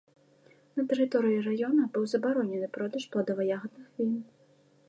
На тэрыторыі раёна быў забаронены продаж пладова-ягадных він.